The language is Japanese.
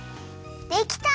できた！